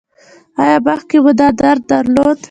ایا مخکې مو دا درد درلود؟